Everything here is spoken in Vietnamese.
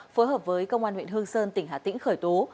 phối hợp với công an huyện hương sơn tỉnh hà tĩnh khởi tố